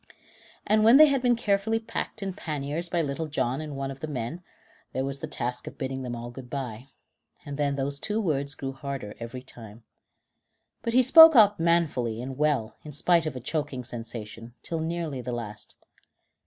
And when they had been carefully packed in panniers by Little John and one of the men, there was the task of bidding them all good bye, and then those two words grew harder every time. But he spoke out manfully and well, in spite of a choking sensation, till nearly the last.